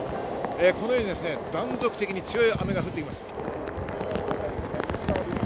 このように断続的に強い雨が降っています。